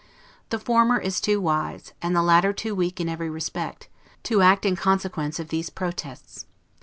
The former is too wise, and the latter too weak in every respect, to act in consequence of these protests.